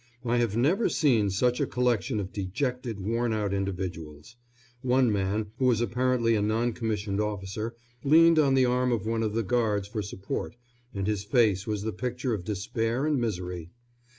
I have never seen such a collection of dejected, worn out individuals. One man, who was apparently a non commissioned officer, leaned on the arm of one of the guards for support, and his face was the picture of despair and misery.